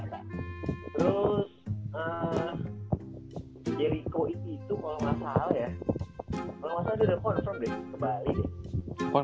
kalau gak salah dia udah confirm deh kembali deh